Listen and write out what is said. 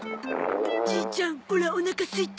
じいちゃんオラおなかすいた。